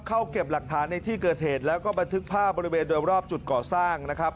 เก็บหลักฐานในที่เกิดเหตุแล้วก็บันทึกภาพบริเวณโดยรอบจุดก่อสร้างนะครับ